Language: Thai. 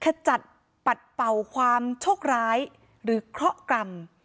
ขจัดปัดเป่าความโชคร้ายหรือเคราะหกรรม